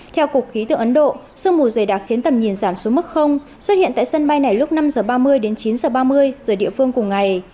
theo cục khí tượng ấn độ sương mù dày đã khiến tầm nhìn giảm xuống mức xuất hiện tại sân bay này lúc năm h ba mươi đến chín h ba mươi giờ địa phương cùng ngày